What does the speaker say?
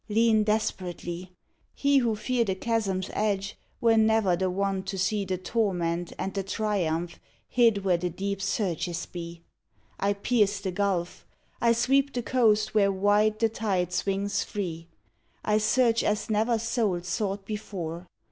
Lean desperately! He who feared a chasm's edge Were never the one to see The torment and the triumph hid Where the deep surges be. I pierce the gulf; I sweep the coast Where wide the tide swings free; I search as never soul sought before.